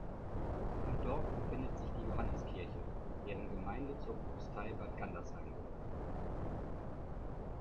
Im Dorf befindet sich die Johanniskirche, deren Gemeinde zur Propstei Bad Gandersheim gehört.